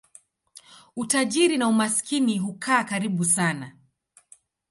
Utajiri na umaskini hukaa karibu sana.